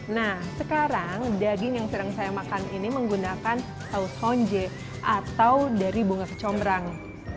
nah sekarang daging yang sedang saya makan ini menggunakan saus honje atau dari bunga kecombrang